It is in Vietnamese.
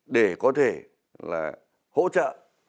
để có thể là hỗ trợ